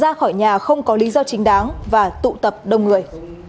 ra khỏi nhà không có lý do chính đáng và tụ tập đông người